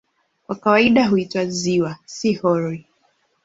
Kwa kawaida huitwa "ziwa", si "hori".